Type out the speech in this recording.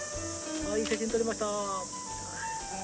いい写真撮れました。